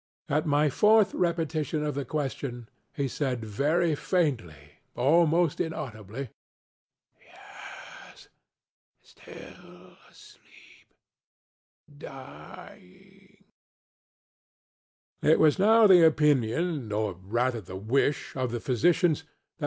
At my fourth repetition of the question, he said very faintly, almost inaudibly: ŌĆ£Yes; still asleepŌĆödying. ŌĆØ It was now the opinion, or rather the wish, of the physicians, that M.